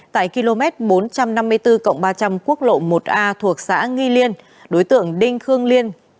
tại km bốn trăm năm mươi bốn ba trăm linh quốc lộ một a thuộc xã nghi liên đối tượng đinh khương liên